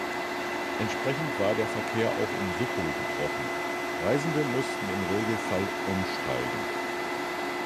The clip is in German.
Entsprechend war der Verkehr auch in Suckow gebrochen, Reisende mussten im Regelfall umsteigen.